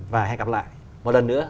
và hẹn gặp lại một lần nữa